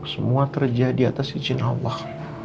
semua terjadi atas izin allah